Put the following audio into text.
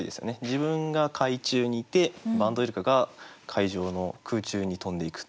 自分が海中にいてバンドウイルカが海上の空中に飛んでいく。